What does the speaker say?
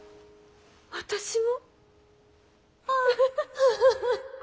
私も。